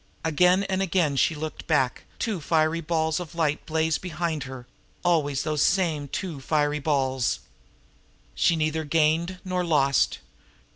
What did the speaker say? Again and again she looked back two fiery balls of light blazed behind her always those same two fiery balls. She neither gained nor lost.